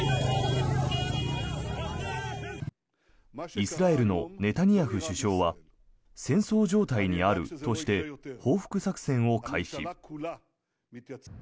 イスラエルのネタニヤフ首相は戦争状態にあるとして報復作戦を開始。